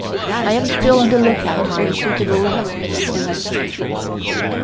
I am still on the lookout for a suitable husband for you."